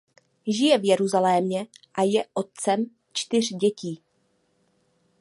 Žije v Jeruzalémě a je otec čtyř dětí.